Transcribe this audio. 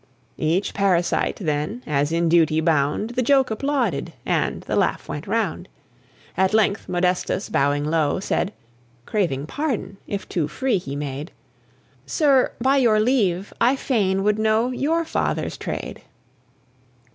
Each parasite, then, as in duty bound, The joke applauded, and the laugh went round. At length Modestus, bowing low, Said (craving pardon, if too free he made), "Sir, by your leave, I fain would know Your father's trade!"